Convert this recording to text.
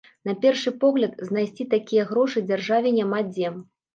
На першы погляд, знайсці такія грошы дзяржаве няма дзе.